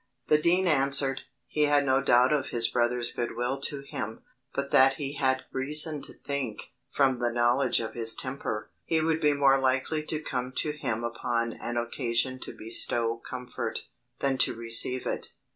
The dean answered, "He had no doubt of his brother's good will to him, but that he had reason to think, from the knowledge of his temper, he would be more likely to come to him upon an occasion to bestow comfort, than to receive it.